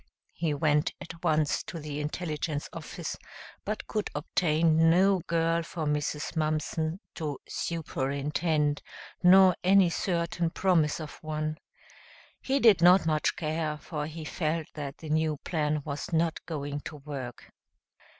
He went at once to the intelligence office, but could obtain no girl for Mrs. Mumpson to "superintend," nor any certain promise of one. He did not much care, for he felt that the new plan was not going to work.